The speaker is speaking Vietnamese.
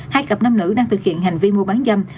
hai cặp nam nữ đang thực hiện hành vi mua bán dâm